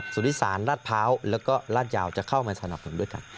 สุธิสารราชพร้าวแล้วก็ลาดยาวจะเข้ามาสนับสนุนด้วยกัน